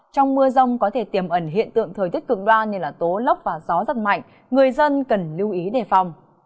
trong mưa rông có thể tiềm ẩn hiện tượng thời tiết cực đoan như tố lốc và gió giật mạnh người dân cần lưu ý đề phòng